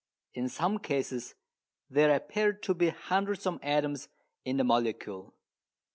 In some cases there appear to be hundreds of atoms in the molecule.